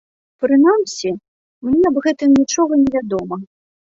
Прынамсі, мне аб гэтым нічога не вядома.